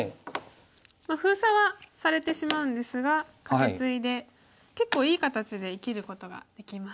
まあ封鎖はされてしまうんですがカケツイで結構いい形で生きることができます。